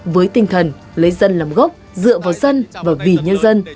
với tinh thần lấy dân làm gốc dựa vào dân và vì nhân dân